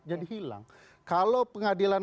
jadi hilang kalau pengadilan